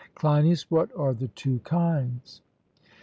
CLEINIAS: What are the two kinds?